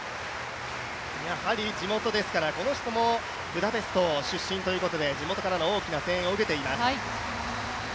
やはり地元ですから、この人もブダペスト出身ということで地元からの大きな声援を受けています。